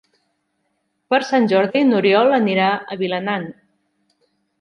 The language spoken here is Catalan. Per Sant Jordi n'Oriol anirà a Vilanant.